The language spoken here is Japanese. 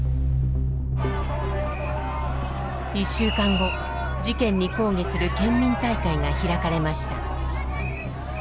１週間後事件に抗議する県民大会が開かれました。